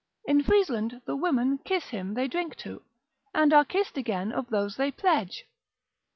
In Friesland the women kiss him they drink to, and are kissed again of those they pledge.